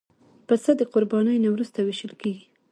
پسه د قربانۍ نه وروسته وېشل کېږي.